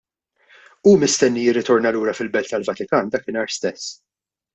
Hu mistenni jirritorna lura fil-Belt tal-Vatikan dakinhar stess.